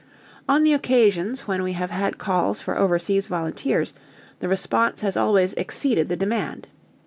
On the occasions when we have had calls for overseas volunteers, the response has always exceeded the demand.